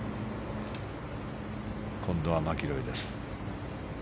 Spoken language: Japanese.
今度はマキロイです。